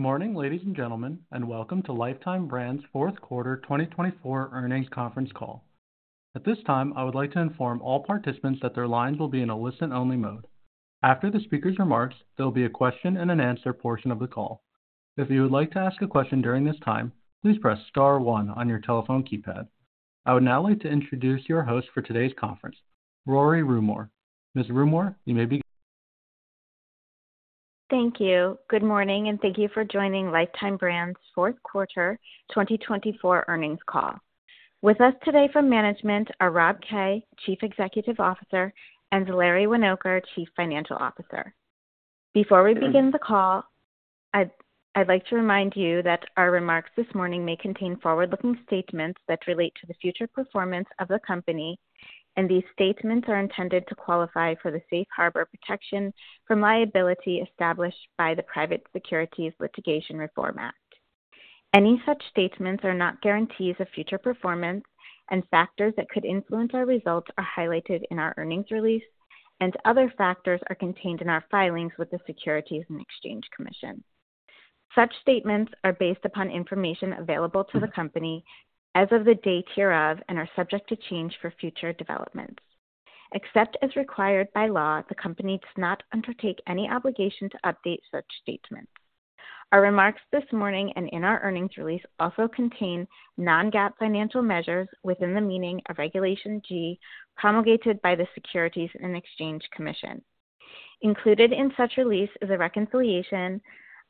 Good morning, ladies and gentlemen, and welcome to Lifetime Brands fourth quarter 2024 earnings conference call. At this time, I would like to inform all participants that their lines will be in a listen-only mode. After the speaker's remarks, there will be a question-and-answer portion of the call. If you would like to ask a question during this time, please press star one on your telephone keypad. I would now like to introduce your host for today's conference, Rory Rumore. Ms. Rumore, you may begin. Thank you. Good morning, and thank you for joining Lifetime Brands fourth quarter 2024 earnings call. With us today from management are Rob Kay, Chief Executive Officer, and Larry Winoker, Chief Financial Officer. Before we begin the call, I'd like to remind you that our remarks this morning may contain forward-looking statements that relate to the future performance of the company, and these statements are intended to qualify for the safe harbor protection from liability established by the Private Securities Litigation Reform Act. Any such statements are not guarantees of future performance, and factors that could influence our results are highlighted in our earnings release, and other factors are contained in our filings with the Securities and Exchange Commission. Such statements are based upon information available to the company as of the date hereof and are subject to change for future developments. Except as required by law, the company does not undertake any obligation to update such statements. Our remarks this morning and in our earnings release also contain non-GAAP financial measures within the meaning of Regulation G promulgated by the Securities and Exchange Commission. Included in such release is a reconciliation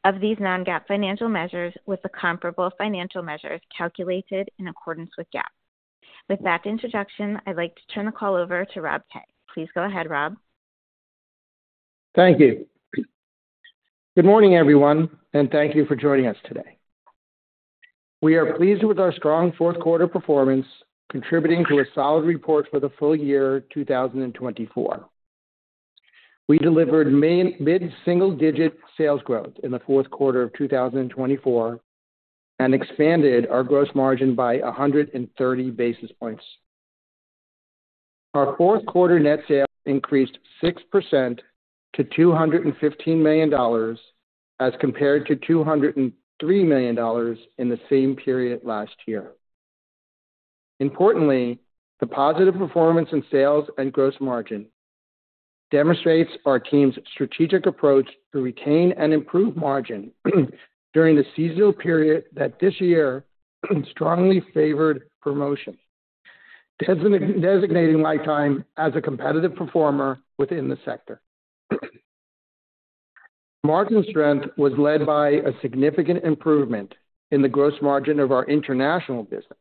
of these non-GAAP financial measures with the comparable financial measures calculated in accordance with GAAP. With that introduction, I'd like to turn the call over to Rob Kay. Please go ahead, Rob. Thank you. Good morning, everyone, and thank you for joining us today. We are pleased with our strong fourth-quarter performance, contributing to a solid report for the full year 2024. We delivered mid-single-digit sales growth in the fourth quarter of 2024 and expanded our gross margin by 130 basis points. Our fourth-quarter net sales increased 6% to $215 million as compared to $203 million in the same period last year. Importantly, the positive performance in sales and gross margin demonstrates our team's strategic approach to retain and improve margin during the seasonal period that this year strongly favored promotion, designating Lifetime as a competitive performer within the sector. Margin strength was led by a significant improvement in the gross margin of our International business,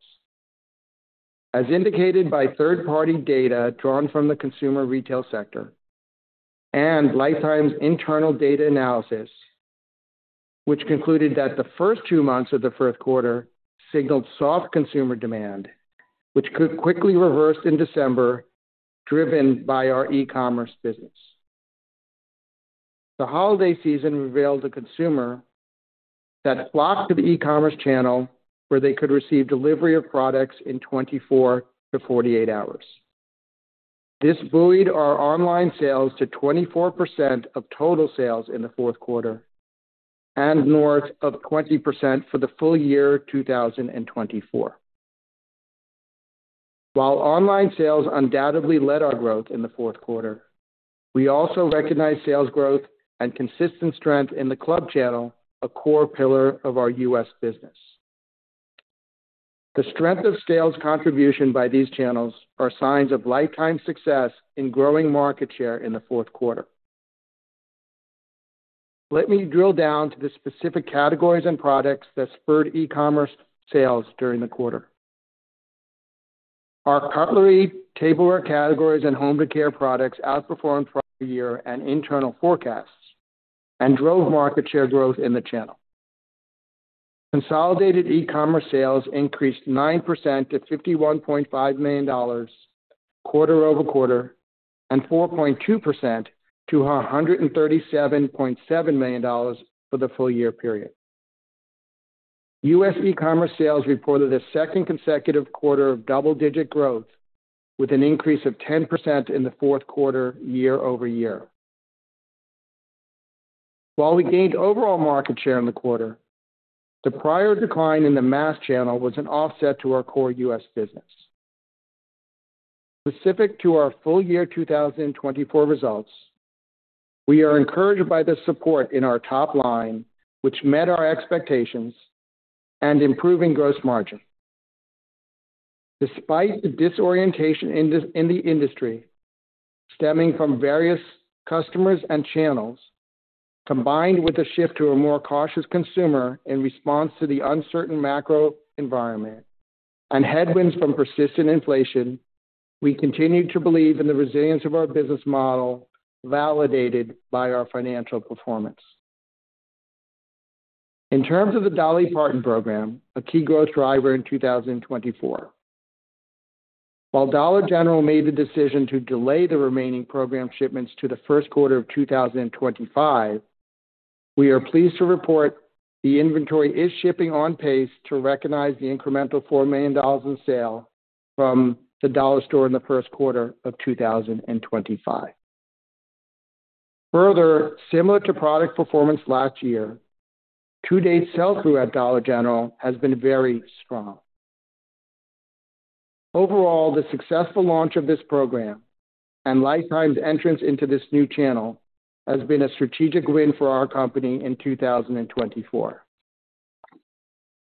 as indicated by third-party data drawn from the consumer retail sector and Lifetime's internal data analysis, which concluded that the first two months of the fourth quarter signaled soft consumer demand, which quickly reversed in December, driven by our e-commerce business. The holiday season revealed to consumers that flocked to the e-commerce channel where they could receive delivery of products in 24-48 hours. This buoyed our online sales to 24% of total sales in the fourth quarter and north of 20% for the full year 2024. While online sales undoubtedly led our growth in the fourth quarter, we also recognize sales growth and consistent strength in the club channel, a core pillar of our U.S. business. The strength of sales contribution by these channels are signs of Lifetime's success in growing market share in the fourth quarter. Let me drill down to the specific categories and products that spurred e-commerce sales during the quarter. Our cutlery, tableware categories, and home decor products outperformed prior year and internal forecasts and drove market share growth in the channel. Consolidated e-commerce sales increased 9% to $51.5 million quarter over quarter and 4.2% to $137.7 million for the full year period. U.S. e-commerce sales reported a second consecutive quarter of double-digit growth, with an increase of 10% in the fourth quarter year over year. While we gained overall market share in the quarter, the prior decline in the mass channel was an offset to our core U.S. business. Specific to our full year 2024 results, we are encouraged by the support in our top line, which met our expectations, and improving gross margin. Despite the disorientation in the industry stemming from various customers and channels, combined with a shift to a more cautious consumer in response to the uncertain macro environment and headwinds from persistent inflation, we continue to believe in the resilience of our business model, validated by our financial performance. In terms of the Dolly Parton program, a key growth driver in 2024, while Dollar General made the decision to delay the remaining program shipments to the first quarter of 2025, we are pleased to report the inventory is shipping on pace to recognize the incremental $4 million in sale from the Dollar General store in the first quarter of 2025. Further, similar to product performance last year, two-day sell-through at Dollar General has been very strong. Overall, the successful launch of this program and Lifetime's entrance into this new channel has been a strategic win for our company in 2024.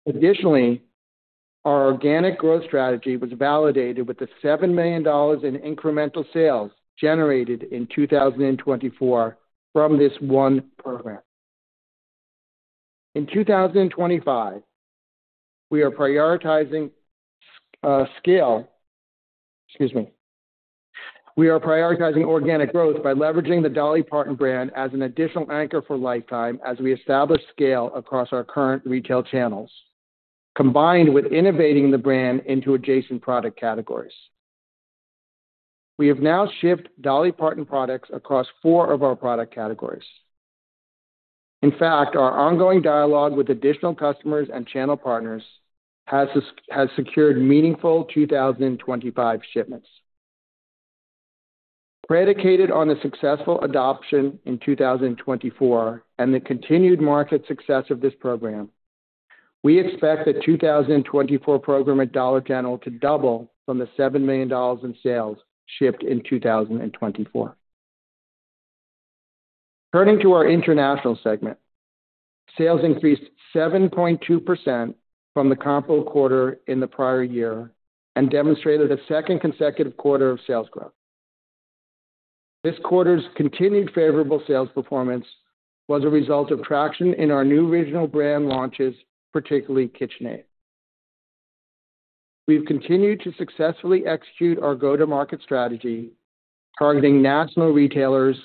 Additionally, our organic growth strategy was validated with the $7 million in incremental sales generated in 2024 from this one program. In 2025, we are prioritizing scale—excuse me—we are prioritizing organic growth by leveraging the Dolly Parton brand as an additional anchor for Lifetime as we establish scale across our current retail channels, combined with innovating the brand into adjacent product categories. We have now shipped Dolly Parton products across four of our product categories. In fact, our ongoing dialogue with additional customers and channel partners has secured meaningful 2025 shipments. Predicated on the successful adoption in 2024 and the continued market success of this program, we expect the 2024 program at Dollar General to double from the $7 million in sales shipped in 2024. Turning to our International segment, sales increased 7.2% from the comparable quarter in the prior year and demonstrated a second consecutive quarter of sales growth. This quarter's continued favorable sales performance was a result of traction in our new regional brand launches, particularly KitchenAid. We've continued to successfully execute our go-to-market strategy, targeting national retailers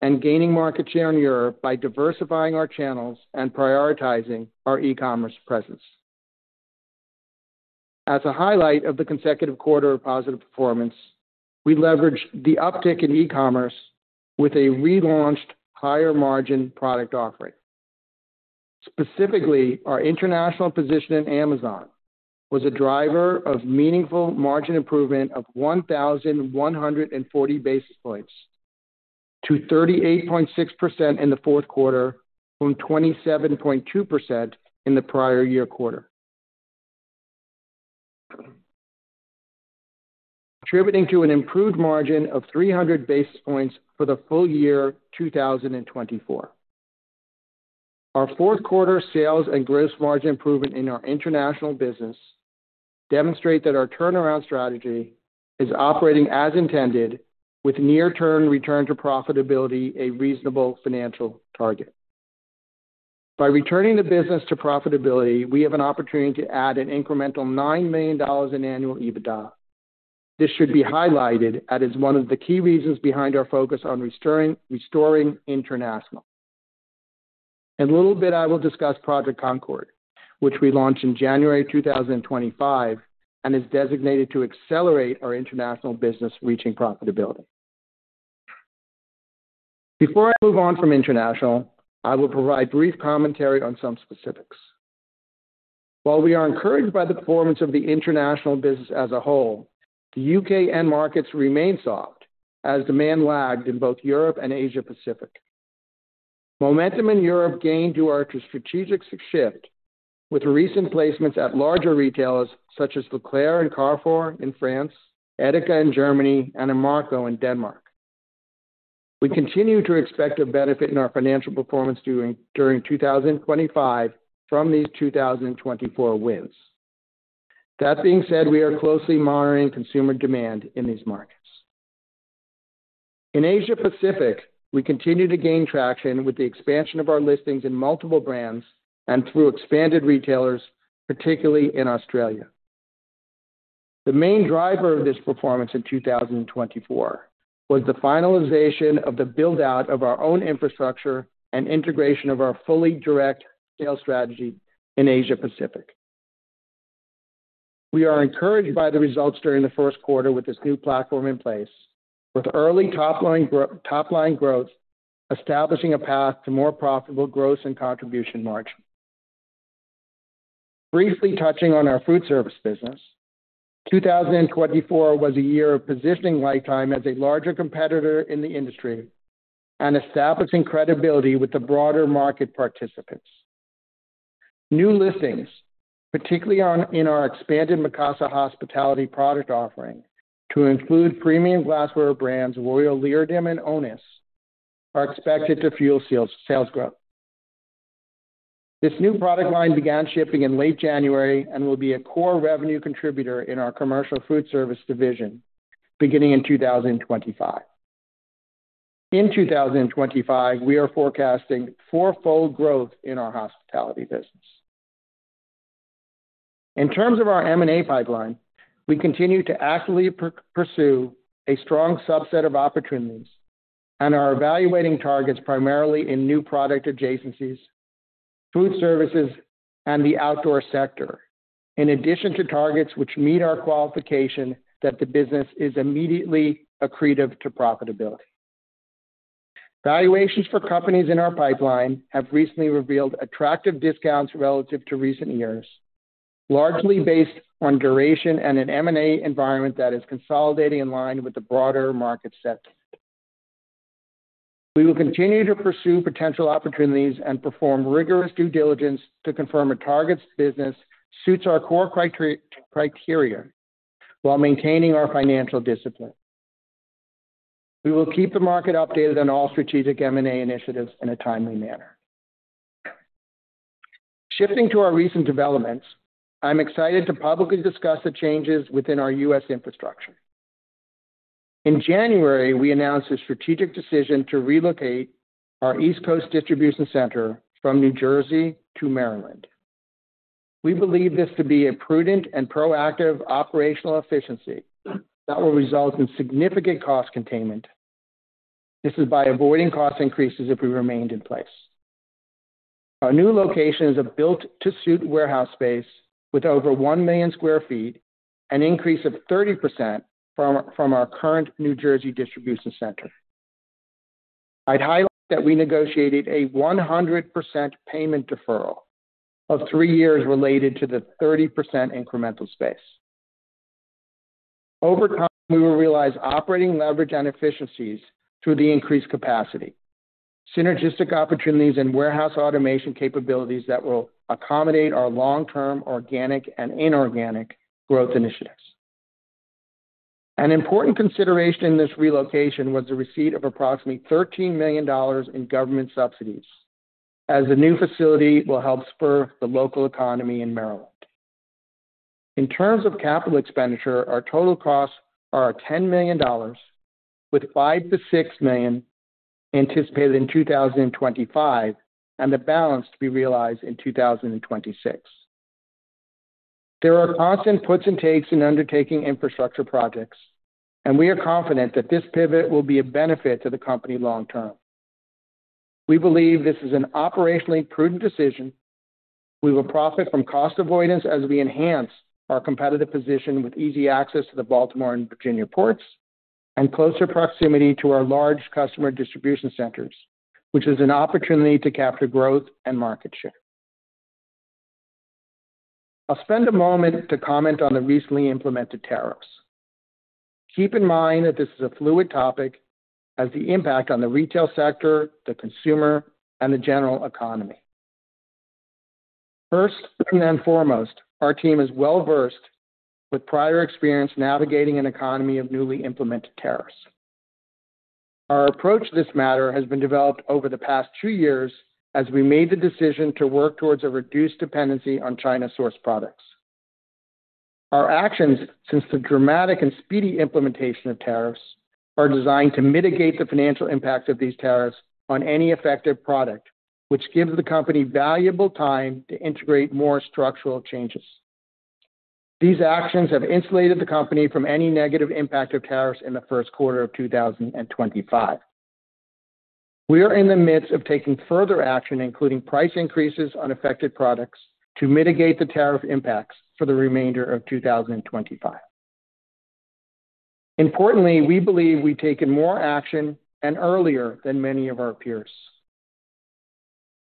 and gaining market share in Europe by diversifying our channels and prioritizing our e-commerce presence. As a highlight of the consecutive quarter of positive performance, we leveraged the uptick in e-commerce with a relaunched higher-margin product offering. Specifically, our international position in Amazon was a driver of meaningful margin improvement of 1,140 basis points to 38.6% in the fourth quarter from 27.2% in the prior year quarter, contributing to an improved margin of 300 basis points for the full year 2024. Our fourth-quarter sales and gross margin improvement in our International business demonstrates that our turnaround strategy is operating as intended, with near-term return to profitability a reasonable financial target. By returning the business to profitability, we have an opportunity to add an incremental $9 million in annual EBITDA. This should be highlighted as it's one of the key reasons behind our focus on restoring international. In a little bit, I will discuss Project Concord, which we launched in January 2025 and is designated to accelerate our International business reaching profitability. Before I move on from International, I will provide brief commentary on some specifics. While we are encouraged by the performance of the International business as a whole, the U.K. end markets remain soft as demand lagged in both Europe and Asia-Pacific. Momentum in Europe gained due to our strategic shift with recent placements at larger retailers such as Leclerc and Carrefour in France, Edeka in Germany, and Imerco in Denmark. We continue to expect a benefit in our financial performance during 2025 from these 2024 wins. That being said, we are closely monitoring consumer demand in these markets. In Asia-Pacific, we continue to gain traction with the expansion of our listings in multiple brands and through expanded retailers, particularly in Australia. The main driver of this performance in 2024 was the finalization of the build-out of our own infrastructure and integration of our fully direct sales strategy in Asia-Pacific. We are encouraged by the results during the first quarter with this new platform in place, with early top-line growth establishing a path to more profitable gross and contribution margins. Briefly touching on our foodservice business, 2024 was a year of positioning Lifetime as a larger competitor in the industry and establishing credibility with the broader market participants. New listings, particularly in our expanded Mikasa Hospitality product offering to include premium glassware brands Royal Leerdam and ONIS, are expected to fuel sales growth. This new product line began shipping in late January and will be a core revenue contributor in our commercial foodservice division beginning in 2025. In 2025, we are forecasting four-fold growth in our hospitality business. In terms of our M&A pipeline, we continue to actively pursue a strong subset of opportunities and are evaluating targets primarily in new product adjacencies, foodservices, and the outdoor sector, in addition to targets which meet our qualification that the business is immediately accretive to profitability. Valuations for companies in our pipeline have recently revealed attractive discounts relative to recent years, largely based on duration and an M&A environment that is consolidating in line with the broader market sets. We will continue to pursue potential opportunities and perform rigorous due diligence to confirm a target business suits our core criteria while maintaining our financial discipline. We will keep the market updated on all strategic M&A initiatives in a timely manner. Shifting to our recent developments, I'm excited to publicly discuss the changes within our U.S. infrastructure. In January, we announced a strategic decision to relocate our East Coast distribution center from New Jersey to Maryland. We believe this to be a prudent and proactive operational efficiency that will result in significant cost containment. This is by avoiding cost increases if we remained in place. Our new location is a built-to-suit warehouse space with over 1 million sq ft and an increase of 30% from our current New Jersey distribution center. I'd highlight that we negotiated a 100% payment deferral of three years related to the 30% incremental space. Over time, we will realize operating leverage and efficiencies through the increased capacity, synergistic opportunities, and warehouse automation capabilities that will accommodate our long-term organic and inorganic growth initiatives. An important consideration in this relocation was the receipt of approximately $13 million in government subsidies, as the new facility will help spur the local economy in Maryland. In terms of capital expenditure, our total costs are $10 million, with $5 million-$6 million anticipated in 2025 and the balance to be realized in 2026. There are constant puts and takes in undertaking infrastructure projects, and we are confident that this pivot will be a benefit to the company long-term. We believe this is an operationally prudent decision. We will profit from cost avoidance as we enhance our competitive position with easy access to the Baltimore and Virginia ports and closer proximity to our large customer distribution centers, which is an opportunity to capture growth and market share. I'll spend a moment to comment on the recently implemented tariffs. Keep in mind that this is a fluid topic, as the impact on the retail sector, the consumer, and the general economy. First and foremost, our team is well-versed with prior experience navigating an economy of newly implemented tariffs. Our approach to this matter has been developed over the past two years as we made the decision to work towards a reduced dependency on China-sourced products. Our actions, since the dramatic and speedy implementation of tariffs, are designed to mitigate the financial impact of these tariffs on any affected product, which gives the company valuable time to integrate more structural changes. These actions have insulated the company from any negative impact of tariffs in the first quarter of 2025. We are in the midst of taking further action, including price increases on affected products, to mitigate the tariff impacts for the remainder of 2025. Importantly, we believe we've taken more action and earlier than many of our peers.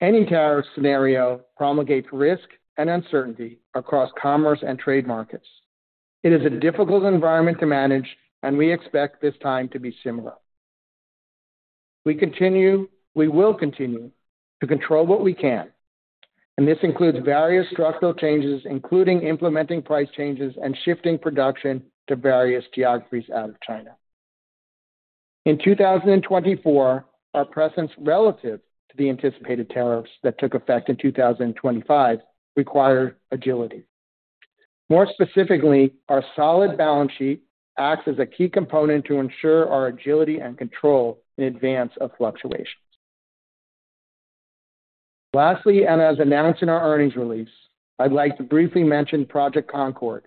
Any tariff scenario promulgates risk and uncertainty across commerce and trade markets. It is a difficult environment to manage, and we expect this time to be similar. We will continue to control what we can, and this includes various structural changes, including implementing price changes and shifting production to various geographies out of China. In 2024, our presence relative to the anticipated tariffs that took effect in 2025 required agility. More specifically, our solid balance sheet acts as a key component to ensure our agility and control in advance of fluctuations. Lastly, and as announced in our earnings release, I'd like to briefly mention Project Concord,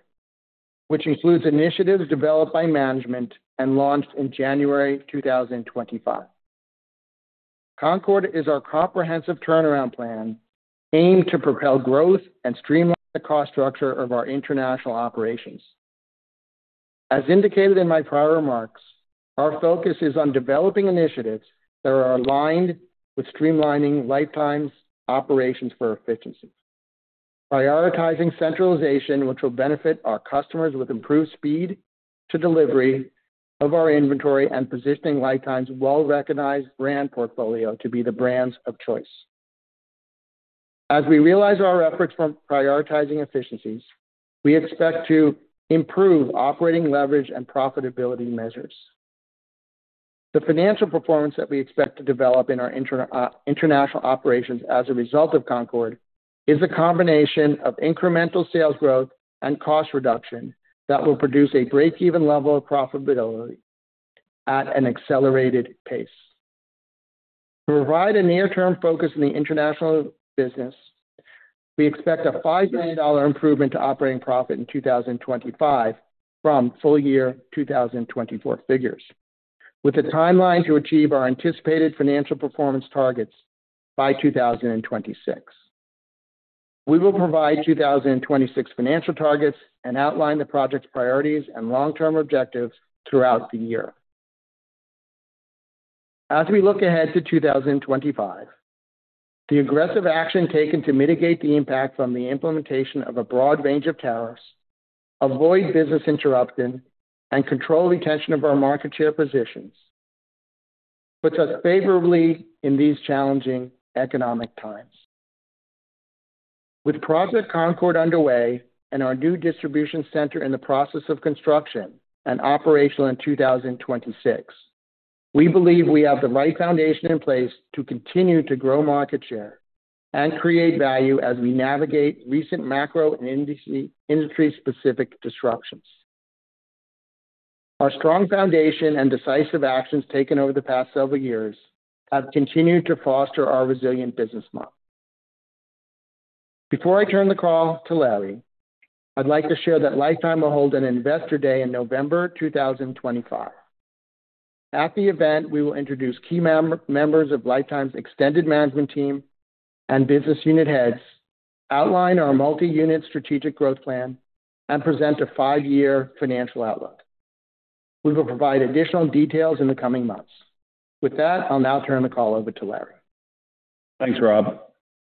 which includes initiatives developed by management and launched in January 2025. Concord is our comprehensive turnaround plan aimed to propel growth and streamline the cost structure of our international operations. As indicated in my prior remarks, our focus is on developing initiatives that are aligned with streamlining Lifetime's operations for efficiency, prioritizing centralization, which will benefit our customers with improved speed to delivery of our inventory and positioning Lifetime's well-recognized brand portfolio to be the brands of choice. As we realize our efforts for prioritizing efficiencies, we expect to improve operating leverage and profitability measures. The financial performance that we expect to develop in our international operations as a result of Concord is a combination of incremental sales growth and cost reduction that will produce a break-even level of profitability at an accelerated pace. To provide a near-term focus in the International business, we expect a $5 million improvement to operating profit in 2025 from full year 2024 figures, with a timeline to achieve our anticipated financial performance targets by 2026. We will provide 2026 financial targets and outline the project's priorities and long-term objectives throughout the year. As we look ahead to 2025, the aggressive action taken to mitigate the impact from the implementation of a broad range of tariffs, avoid business interruption, and control retention of our market share positions puts us favorably in these challenging economic times. With Project Concord underway and our new distribution center in the process of construction and operational in 2026, we believe we have the right foundation in place to continue to grow market share and create value as we navigate recent macro and industry-specific disruptions. Our strong foundation and decisive actions taken over the past several years have continued to foster our resilient business model. Before I turn the call to Larry, I'd like to share that Lifetime will hold an Investor Day in November 2025. At the event, we will introduce key members of Lifetime's extended management team and business unit heads, outline our multi-unit strategic growth plan, and present a five-year financial outlook. We will provide additional details in the coming months. With that, I'll now turn the call over to Larry. Thanks, Rob.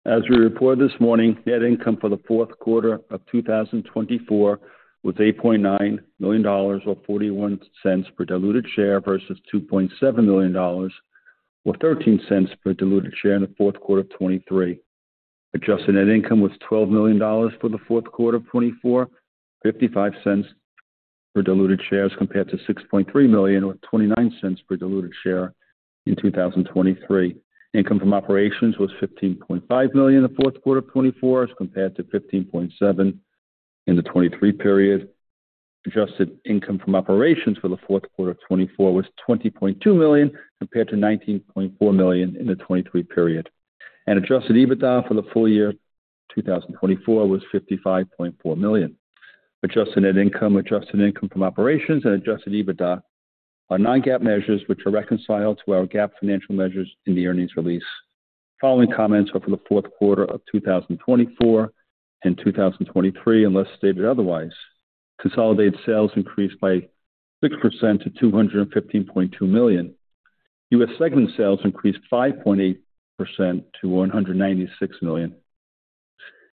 As we report this morning, net income for the fourth quarter of 2024 was $8.9 million, or $0.41 per diluted share, versus $2.7 million, or $0.13 per diluted share in the fourth quarter of 2023. Adjusted net income was $12 million for the fourth quarter of 2024, $0.55 per diluted share, as compared to $6.3 million, or $0.29 per diluted share in 2023. Income from operations was $15.5 million in the fourth quarter of 2024, as compared to $15.7 million in the 2023 period. Adjusted income from operations for the fourth quarter of 2024 was $20.2 million, compared to $19.4 million in the 2023 period. Adjusted EBITDA for the full year 2024 was $55.4 million. Adjusted net income, adjusted income from operations, and adjusted EBITDA are non-GAAP measures, which are reconciled to our GAAP financial measures in the earnings release. Following comments are for the fourth quarter of 2024 and 2023, unless stated otherwise. Consolidated sales increased by 6% to $215.2 million. U.S. segment sales increased 5.8% to $196 million.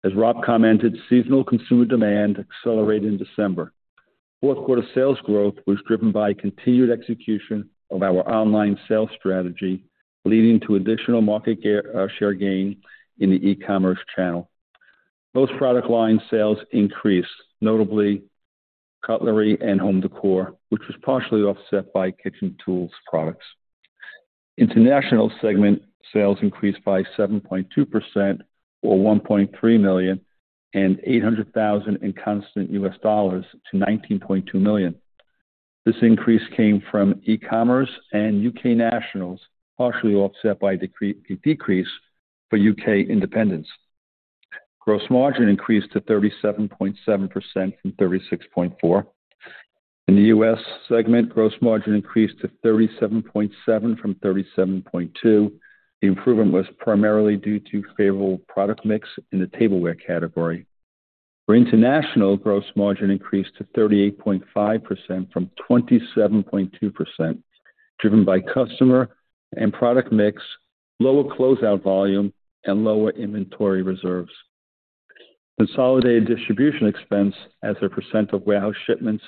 As Rob commented, seasonal consumer demand accelerated in December. Fourth quarter sales growth was driven by continued execution of our online sales strategy, leading to additional market share gain in the e-commerce channel. Most product line sales increased, notably cutlery and home decor, which was partially offset by kitchen tools products. International segment sales increased by 7.2%, or $1.3 million, and $800,000 in constant U.S. dollars to $19.2 million. This increase came from e-commerce and U.K. nationals, partially offset by a decrease for U.K. independents. Gross margin increased to 37.7% from 36.4%. In the U.S. segment, gross margin increased to 37.7% from 37.2%. The improvement was primarily due to favorable product mix in the tableware category. For International, gross margin increased to 38.5% from 27.2%, driven by customer and product mix, lower closeout volume, and lower inventory reserves. Consolidated distribution expense, as a percent of warehouse shipments,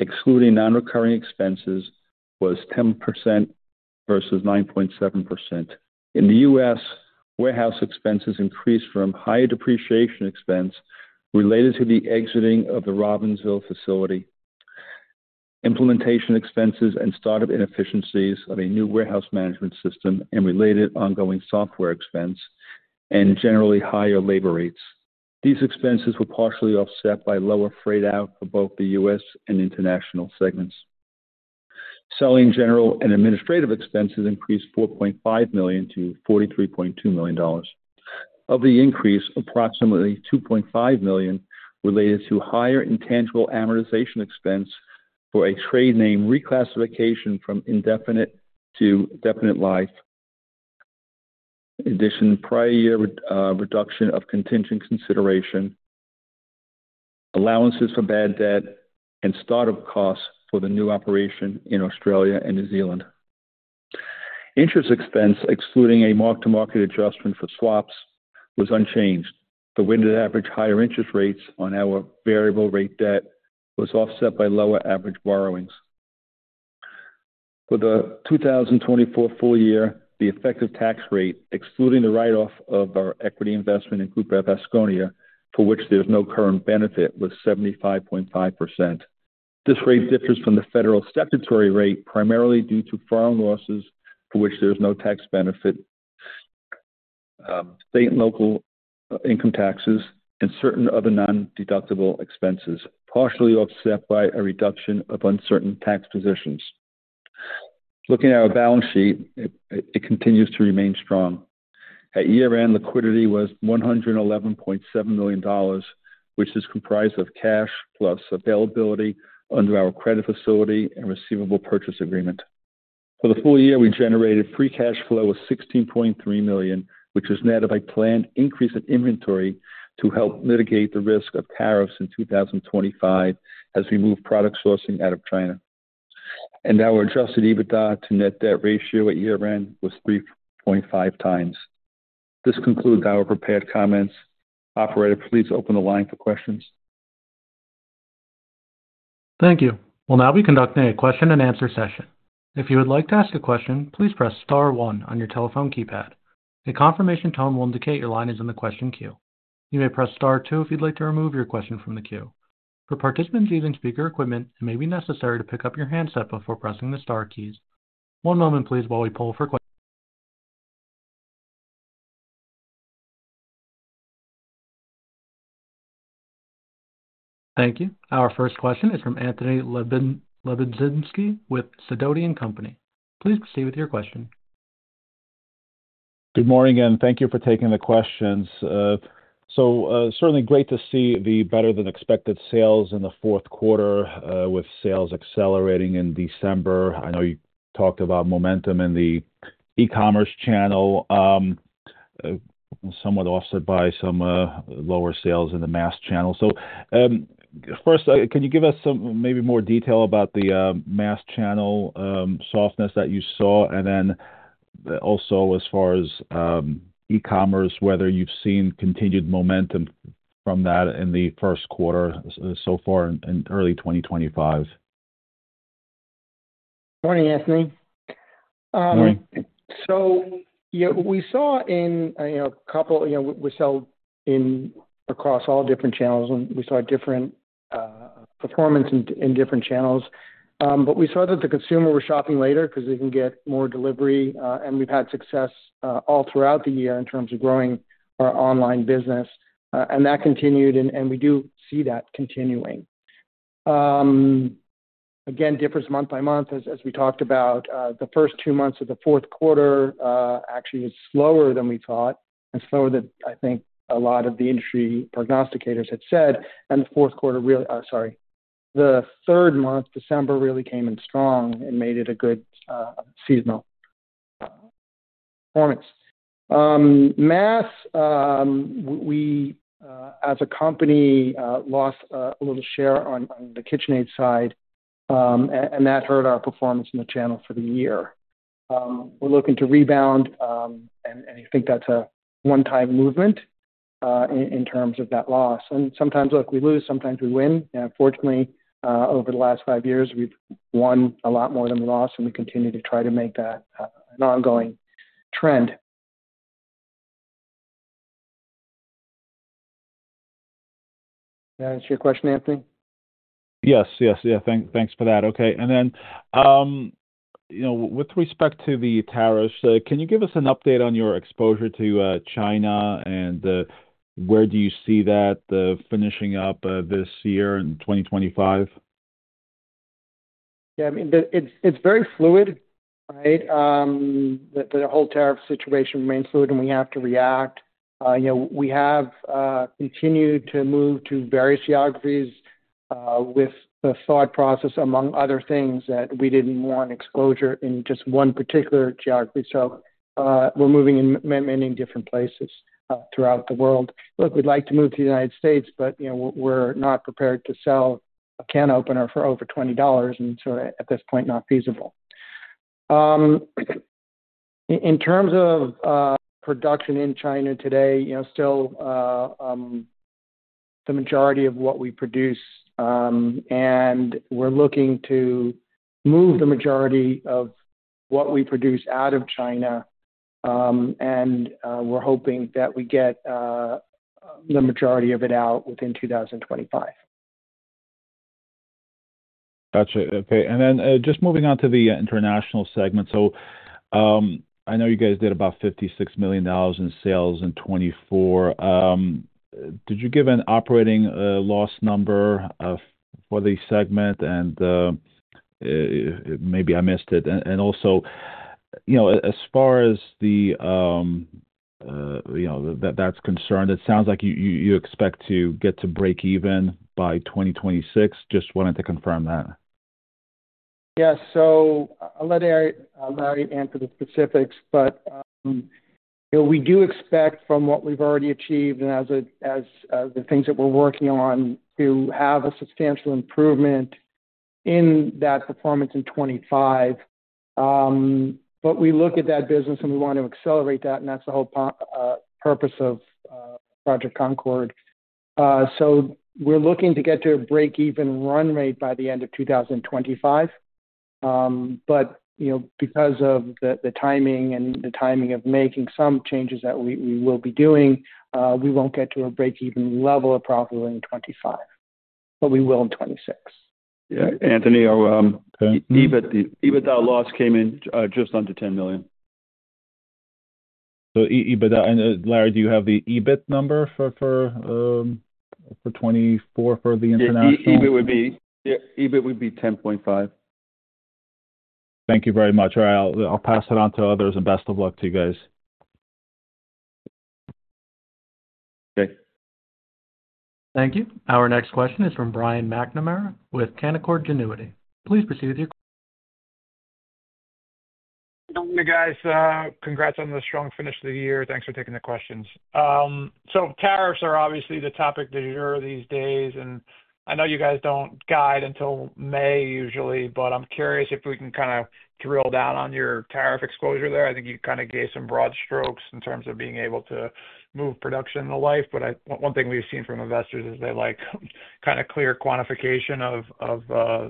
excluding non-recurring expenses, was 10% versus 9.7%. In the U.S., warehouse expenses increased from high depreciation expense related to the exiting of the Robbinsville facility, implementation expenses, and startup inefficiencies of a new warehouse management system and related ongoing software expense, and generally higher labor rates. These expenses were partially offset by lower freight out for both the U.S. and International segments. Selling, general and administrative expenses increased $4.5 million to $43.2 million. Of the increase, approximately $2.5 million related to higher intangible amortization expense for a trade name reclassification from indefinite to definite life. In addition, prior year reduction of contingent consideration, allowances for bad debt, and startup costs for the new operation in Australia and New Zealand. Interest expense, excluding a mark-to-market adjustment for swaps, was unchanged. The window to average higher interest rates on our variable-rate debt was offset by lower average borrowings. For the 2024 full year, the effective tax rate, excluding the write-off of our equity investment in Grupo Vasconia, for which there is no current benefit, was 75.5%. This rate differs from the federal statutory rate primarily due to foreign losses, for which there is no tax benefit, state and local income taxes, and certain other non-deductible expenses, partially offset by a reduction of uncertain tax positions. Looking at our balance sheet, it continues to remain strong. At year-end, liquidity was $111.7 million, which is comprised of cash plus availability under our credit facility and receivable purchase agreement. For the full year, we generated free cash flow of $16.3 million, which was netted by planned increase in inventory to help mitigate the risk of tariffs in 2025 as we move product sourcing out of China. Our adjusted EBITDA to net debt ratio at year-end was 3.5x. This concludes our prepared comments. Operator, please open the line for questions. Thank you. We'll now be conducting a question-and-answer session. If you would like to ask a question, please press star one on your telephone keypad. A confirmation tone will indicate your line is in the question queue. You may press star two if you'd like to remove your question from the queue. For participants using speaker equipment, it may be necessary to pick up your handset before pressing the star keys. One moment, please, while we pull for questions. Thank you. Our first question is from Anthony Lebiedzinski with Sidoti & Company. Please proceed with your question. Good morning and thank you for taking the questions. Certainly great to see the better-than-expected sales in the fourth quarter, with sales accelerating in December. I know you talked about momentum in the e-commerce channel, somewhat offset by some lower sales in the mass channel. First, can you give us maybe more detail about the mass channel softness that you saw? As far as e-commerce, whether you've seen continued momentum from that in the first quarter so far in early 2025? Morning, Anthony. Morning. We sell across all different channels, and we saw different performance in different channels. We saw that the consumer was shopping later because they can get more delivery. We've had success all throughout the year in terms of growing our online business. That continued, and we do see that continuing. Again, differs month by month, as we talked about. The first two months of the fourth quarter actually were slower than we thought, and slower than I think a lot of the industry prognosticators had said. The third month, December, really came in strong and made it a good seasonal performance. Mass, as a company, lost a little share on the KitchenAid side, and that hurt our performance in the channel for the year. We are looking to rebound, and I think that is a one-time movement in terms of that loss. Sometimes we lose, sometimes we win. Fortunately, over the last five years, we have won a lot more than we lost, and we continue to try to make that an ongoing trend. Did I answer your question, Anthony? Yes, yes, yeah. Thanks for that. Okay. With respect to the tariffs, can you give us an update on your exposure to China and where do you see that finishing up this year in 2025? Yeah. I mean, it is very fluid, right? The whole tariff situation remains fluid, and we have to react. We have continued to move to various geographies with the thought process, among other things, that we did not want exposure in just one particular geography. We are moving in many different places throughout the world. Look, we would like to move to the United States, but we are not prepared to sell a can opener for over $20, and at this point, not feasible. In terms of production in China today, still the majority of what we produce, and we are looking to move the majority of what we produce out of China. We are hoping that we get the majority of it out within 2025. Gotcha. Okay. Just moving on to the International segment. I know you guys did about $56 million in sales in 2024. Did you give an operating loss number for the segment? Maybe I missed it. Also, as far as that's concerned, it sounds like you expect to get to break-even by 2026. Just wanted to confirm that. Yeah. I'll let Larry answer the specifics. We do expect from what we've already achieved and the things that we're working on to have a substantial improvement in that performance in 2025. We look at that business, and we want to accelerate that, and that's the whole purpose of Project Concord. We're looking to get to a break-even run rate by the end of 2025. Because of the timing and the timing of making some changes that we will be doing, we won't get to a break-even level of profitability in 2025. We will in 2026. Yeah. Anthony, EBITDA loss came in just under $10 million. So EBITDA. Larry, do you have the EBIT number for 2024 for the International? EBIT would be $10.5 million. Thank you very much. All right. I'll pass it on to others, and best of luck to you guys. Okay. Thank you. Our next question is from Brian McNamara with Canaccord Genuity. Please proceed with your. Good morning, guys. Congrats on the strong finish of the year. Thanks for taking the questions. Tariffs are obviously the topic that you're in these days. I know you guys do not guide until May, usually, but I'm curious if we can kind of drill down on your tariff exposure there. I think you kind of gave some broad strokes in terms of being able to move production in the life. One thing we've seen from investors is they like kind of clear quantification of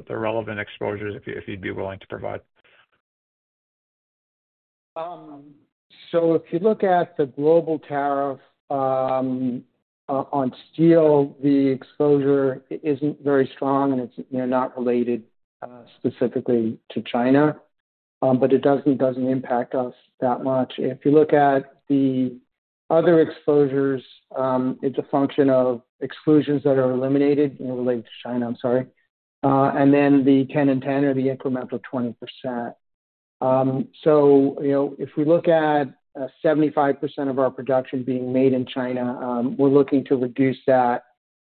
the relevant exposures, if you'd be willing to provide. If you look at the global tariff on steel, the exposure isn't very strong, and it's not related specifically to China. It doesn't impact us that much. If you look at the other exposures, it's a function of exclusions that are eliminated and related to China, I'm sorry. The 10 and 10 are the incremental 20%. If we look at 75% of our production being made in China, we're looking to reduce that,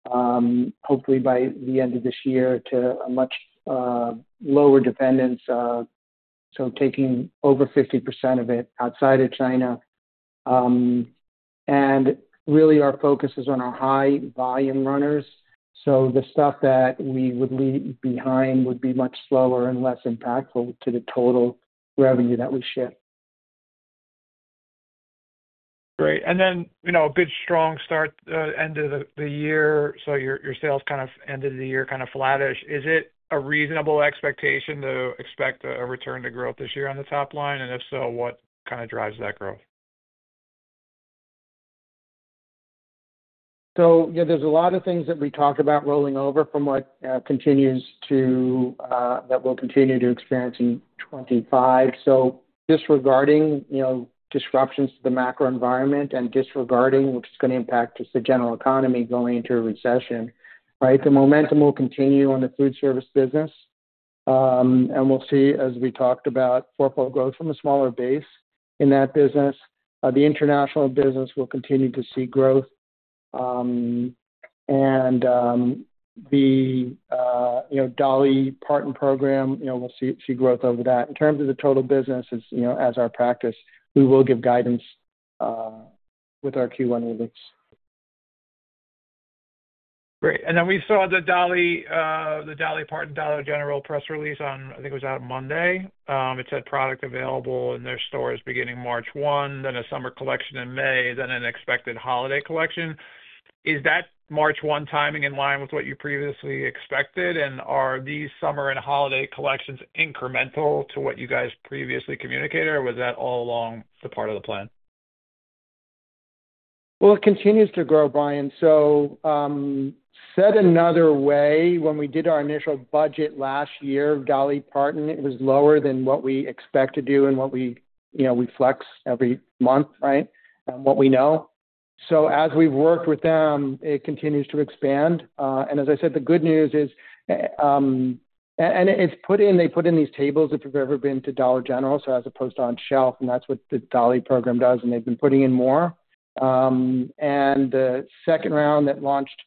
hopefully, by the end of this year to a much lower dependence, so taking over 50% of it outside of China. Really, our focus is on our high-volume runners. The stuff that we would leave behind would be much slower and less impactful to the total revenue that we ship. Great. A bit strong start, end of the year. Your sales kind of ended the year kind of flattish. Is it a reasonable expectation to expect a return to growth this year on the top line? If so, what kind of drives that growth? Yeah, there are a lot of things that we talk about rolling over from what continues to that we'll continue to experience in 2025. Disregarding disruptions to the macro environment and disregarding what's going to impact just the general economy going into a recession, right? The momentum will continue on the foodservice business. We'll see, as we talked about, four-fold growth from a smaller base in that business. The International business will continue to see growth. The Dolly Parton program will see growth over that. In terms of the total business, as our practice, we will give guidance with our Q1 release. Great. We saw the Dolly Parton Dollar General press release on, I think it was out on Monday. It said product available in their stores beginning March 1, then a summer collection in May, then an expected holiday collection. Is that March 1 timing in line with what you previously expected? Are these summer and holiday collections incremental to what you guys previously communicated, or was that all along the part of the plan? It continues to grow, Brian. Said another way, when we did our initial budget last year of Dolly Parton, it was lower than what we expect to do and what we flex every month, right, and what we know. As we've worked with them, it continues to expand. As I said, the good news is, they put in these tables if you've ever been to Dollar General, so as a post on shelf, and that's what the Dolly program does, and they've been putting in more. The second round that launched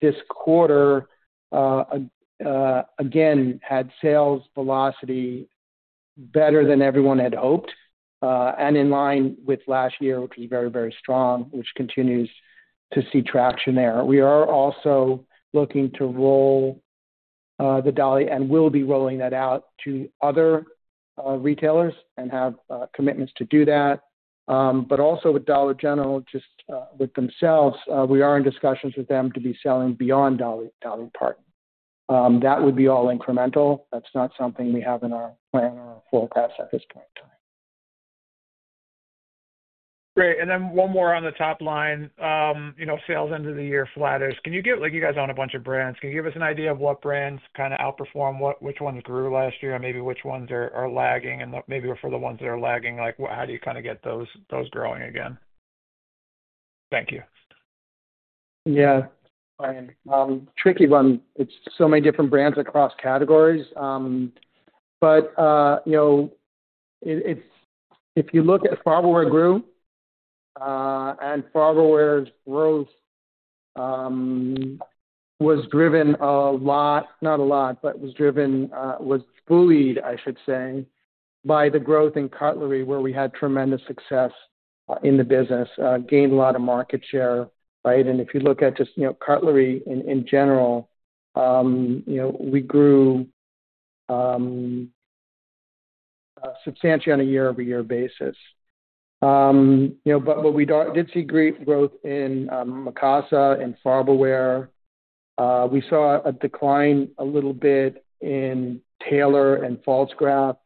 this quarter, again, had sales velocity better than everyone had hoped, and in line with last year, which was very, very strong, which continues to see traction there. We are also looking to roll the Dolly and will be rolling that out to other retailers and have commitments to do that. Also with Dollar General, just with themselves, we are in discussions with them to be selling beyond Dolly Parton. That would be all incremental. That's not something we have in our plan or forecast at this point in time. Great. And then one more on the top line, sales end of the year flattish. You guys own a bunch of brands. Can you give us an idea of what brands kind of outperformed, which ones grew last year, and maybe which ones are lagging? And maybe for the ones that are lagging, how do you kind of get those growing again? Thank you. Yeah. All right. Tricky one. It's so many different brands across categories. If you look at Farberware grew, and Farberware's growth was driven a lot, not a lot, but was driven, was bullied, I should say, by the growth in cutlery, where we had tremendous success in the business, gained a lot of market share, right? If you look at just cutlery in general, we grew substantially on a year-over-year basis. What we did see great growth in Mikasa and Farberware. We saw a decline a little bit in Taylor and Pfaltzgraff.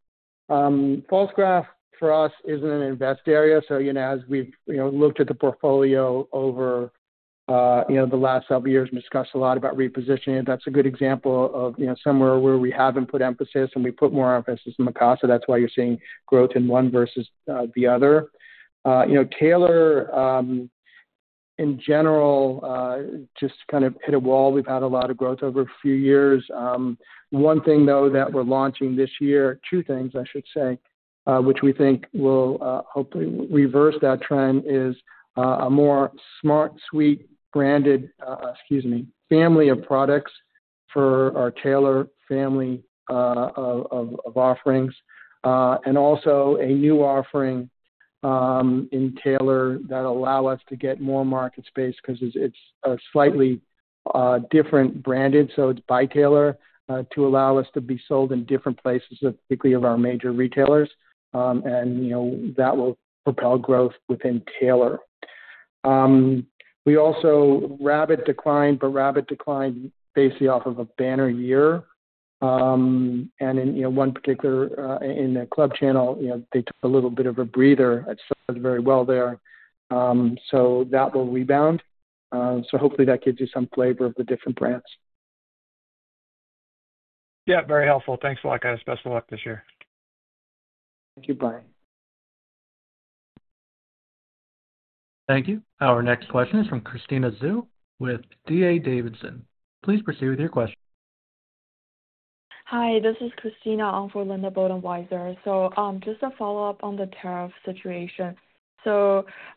Pfaltzgraff, for us, isn't an invested area. As we've looked at the portfolio over the last several years and discussed a lot about repositioning, that's a good example of somewhere where we haven't put emphasis, and we put more emphasis in Mikasa. That's why you're seeing growth in one versus the other. Taylor, in general, just kind of hit a wall. We've had a lot of growth over a few years. One thing, though, that we're launching this year, two things, I should say, which we think will hopefully reverse that trend, is a more SmartSuite branded, excuse me, family of products for our Taylor family of offerings. Also, a new offering in Taylor that allows us to get more market space because it's a slightly different branded. It is by Taylor to allow us to be sold in different places, particularly of our major retailers. That will propel growth within Taylor. We also, Rabbit declined, but Rabbit declined basically off of a banner year. In one particular, in the club channel, they took a little bit of a breather. It sold very well there. That will rebound. Hopefully, that gives you some flavor of the different brands. Yeah. Very helpful. Thanks a lot, guys. Best of luck this year. Thank you, Brian. Thank you. Our next question is from Christina Zhu with D.A. Davidson. Please proceed with your question. Hi. This is Christina for Linda Bolton Weiser. Just a follow-up on the tariff situation.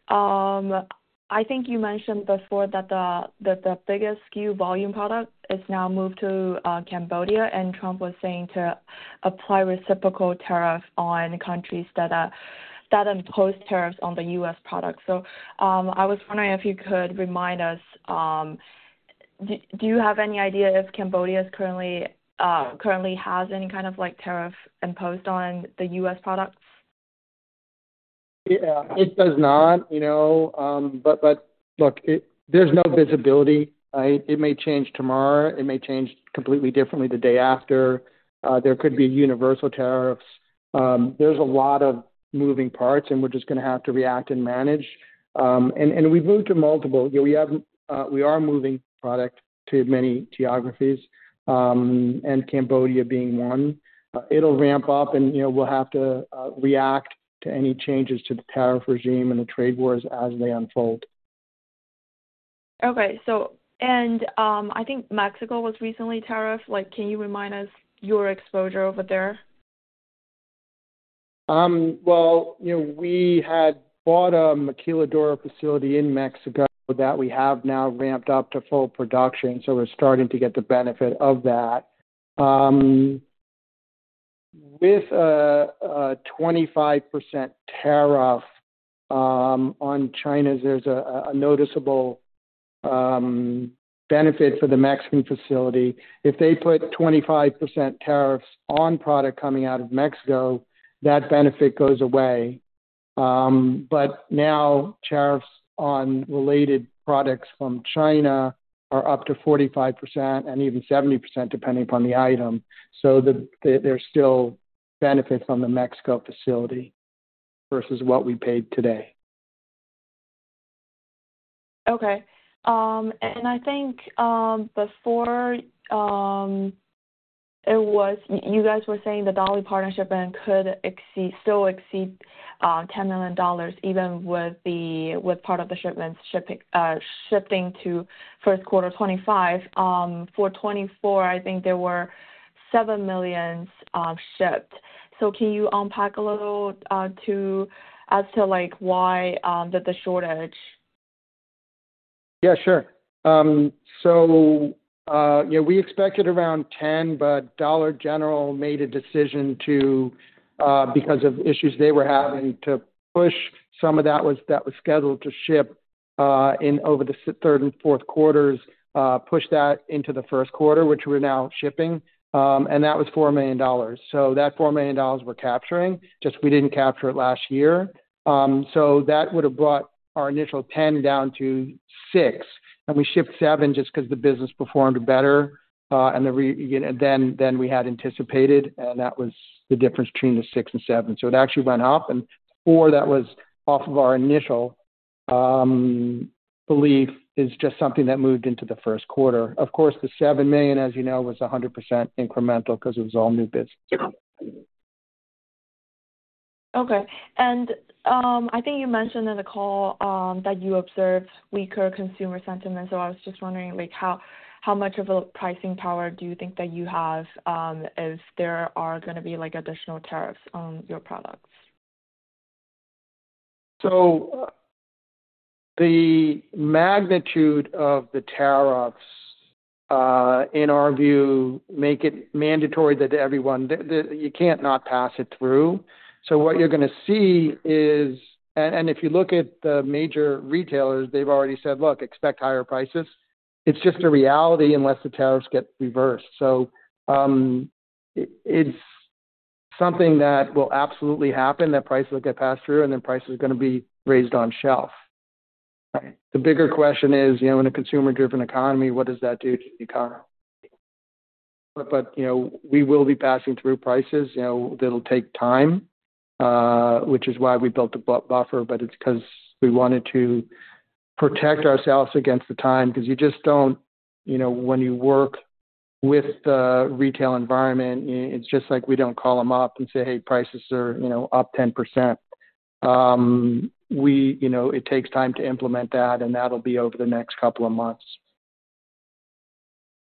I think you mentioned before that the biggest SKU volume product is now moved to Cambodia, and Trump was saying to apply reciprocal tariffs on countries that impose tariffs on U.S. products. I was wondering if you could remind us, do you have any idea if Cambodia currently has any kind of tariff imposed on U.S. products? Yeah. It does not. Look, there's no visibility, right? It may change tomorrow. It may change completely differently the day after. There could be universal tariffs. There's a lot of moving parts, and we're just going to have to react and manage. We've moved to multiple. We are moving product to many geographies, and Cambodia being one. It'll ramp up, and we'll have to react to any changes to the tariff regime and the trade wars as they unfold. Okay. I think Mexico was recently tariffed. Can you remind us your exposure over there? We had bought a maquiladora facility in Mexico that we have now ramped up to full production. We are starting to get the benefit of that. With a 25% tariff on China, there is a noticeable benefit for the Mexican facility. If they put 25% tariffs on product coming out of Mexico, that benefit goes away. Now tariffs on related products from China are up to 45% and even 70%, depending upon the item. There are still benefits on the Mexico facility versus what we pay today. Okay. I think before you guys were saying the Dolly Parton partnership could still exceed $10 million even with part of the shipments shipping to first quarter 2025. For 2024, I think there were $7 million shipped. Can you unpack a little as to why the shortage? Yeah, sure. We expected around $10 million, but Dollar General made a decision to, because of issues they were having, to push some of that which was scheduled to ship in over the third and fourth quarters, push that into the first quarter, which we are now shipping. That was $4 million. That $4 million we are capturing, just we did not capture it last year. That would have brought our initial $10 million down to $6 million. We shipped $7 million just because the business performed better. We had anticipated, and that was the difference between the $6 million and $7 million. It actually went up. Four, that was off of our initial belief, is just something that moved into the first quarter. Of course, the $7 million, as you know, was 100% incremental because it was all new business. Okay. I think you mentioned in the call that you observed weaker consumer sentiment. I was just wondering how much of a pricing power do you think that you have if there are going to be additional tariffs on your products? The magnitude of the tariffs, in our view, make it mandatory that everyone, you cannot not pass it through. What you are going to see is, if you look at the major retailers, they have already said, "Look, expect higher prices." It is just a reality unless the tariffs get reversed. It is something that will absolutely happen that prices will get passed through, and then prices are going to be raised on shelf. The bigger question is, in a consumer-driven economy, what does that do to the economy? We will be passing through prices. It'll take time, which is why we built the buffer, but it's because we wanted to protect ourselves against the time because you just don't, when you work with the retail environment, it's just like we don't call them up and say, "Hey, prices are up 10%." It takes time to implement that, and that'll be over the next couple of months.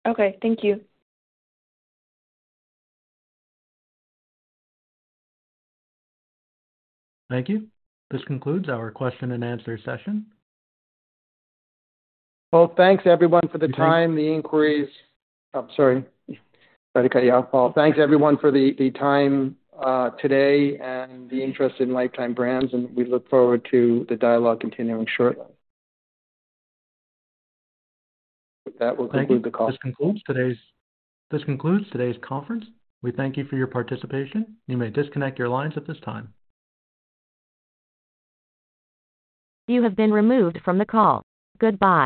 Okay. Thank you. Thank you. This concludes our question-and-answer session. Thanks, everyone, for the time, the inquiries. I'm sorry. Tried to cut you off. Thanks, everyone, for the time today and the interest in Lifetime Brands. We look forward to the dialogue continuing shortly. That will conclude the call. This concludes today's conference. We thank you for your participation. You may disconnect your lines at this time. You have been removed from the call. Goodbye.